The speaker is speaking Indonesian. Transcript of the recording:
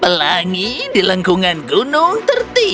pelangi di lengkungan gunung tertinggi